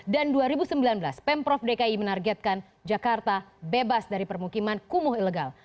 dan dua ribu sembilan belas pemprov dki menargetkan jakarta bebas dari permukiman kumuh ilegal